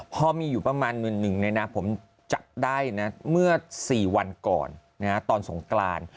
พ่อมีอยู่ประมาณหนึ่งนะนะผมจับได้นะเมื่อสี่วันก่อนนะตอนสงกราน